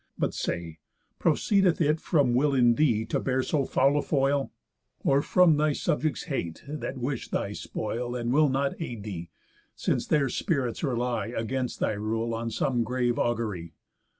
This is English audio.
But say: Proceedeth it From will in thee to bear so foul a foil? Or from thy subjects' hate, that wish thy spoil, And will not aid thee, since their spirits rely, Against thy rule, on some grave augury?